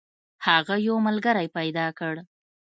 هغه یو ملګری پیدا کړ.